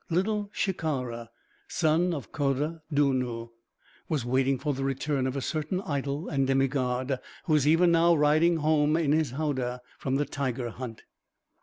Little Shikara, son of Khoda Dunnoo, was waiting for the return of a certain idol and demigod who was even now riding home in his howdah from the tiger hunt.